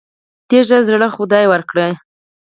تیږه زړه خدای ورکړی.